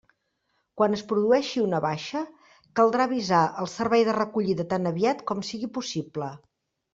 Quan es produeixi una baixa, caldrà avisar el servei de recollida tan aviat com sigui possible.